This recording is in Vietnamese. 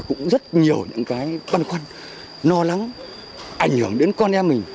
cũng rất nhiều những cái băn khoăn lo lắng ảnh hưởng đến con em mình